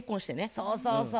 そうそうそう。